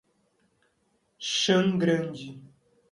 Chã Grande